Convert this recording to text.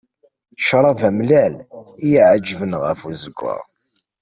Ccrab amellal i y-iεeǧben ɣef uzeggaɣ.